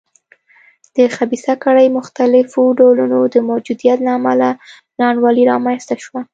د خبیثه کړۍ مختلفو ډولونو د موجودیت له امله نا انډولي رامنځته شوه.